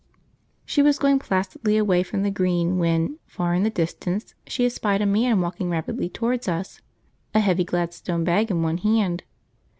She was going placidly away from the Green when, far in the distance, she espied a man walking rapidly toward us, a heavy Gladstone bag in one hand.